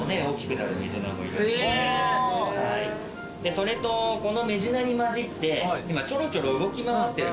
それとこのメジナに交じって今ちょろちょろ動き回ってる。